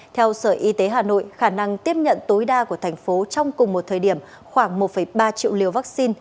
theo sở y tế hà nội khả năng tiếp nhận tối đa của thành phố trong cùng một thời điểm khoảng một ba triệu liều vaccine